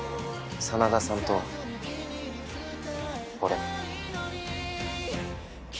真田さんと俺。